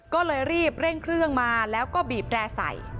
ก็เลยรีบเร่งเครื่องมาแล้วก็บีบแร่ใส่